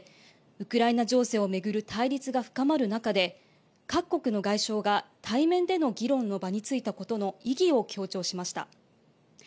ウクライナ情勢を巡る対立が深まる中で各国の外相が対面での議論の場についたことの意義を強調しました。